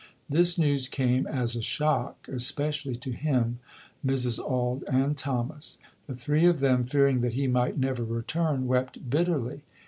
This news came as a shock especially to him, Mrs. Auld and Thomas. The three of them, fearing that he might never return, wept bitterly.